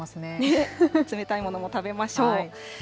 冷たいものも食べましょう。